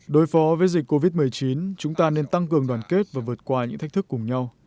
đối phó với dịch covid một mươi chín chúng ta nên tăng cường đoàn kết và vượt qua những thách thức cùng nhau